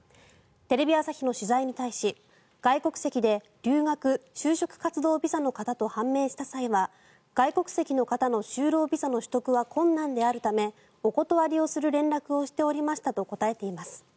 テレビ朝日の取材に対し外国籍で留学・就職活動ビザの方と判明した際は外国籍の方の就労ビザの取得は困難であるためお断りをする連絡をしておりましたと答えています。